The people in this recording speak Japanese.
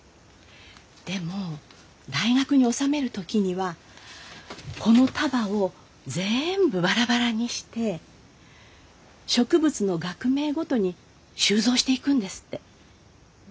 でも大学に収める時にはこの束を全部バラバラにして植物の学名ごとに収蔵していくんですって。